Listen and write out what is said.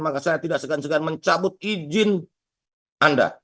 maka saya tidak segan segan mencabut izin anda